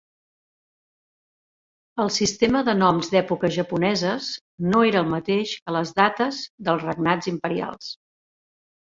El sistema de noms d'èpoques japoneses no era el mateix que les dates dels regnats imperials.